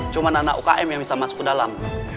cuma anak ukm yang bisa masuk ke dalam